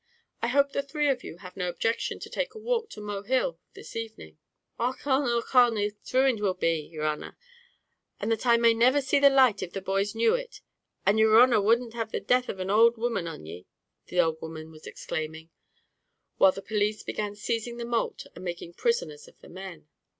I hope the three of you have no objection to take a walk to Mohill this evening." "Ochone, ochone, and it's ruined we'll be, yer honer; and that I may never see the light if the boys knew it; and yer honer wouldn't have the death of an ould woman on ye!" the old woman was exclaiming, while the police began seizing the malt and making prisoners of the men.